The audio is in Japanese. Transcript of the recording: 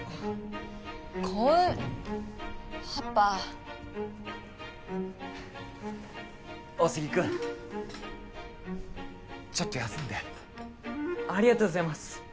こうパパ大杉君ちょっと休んでありがとうございます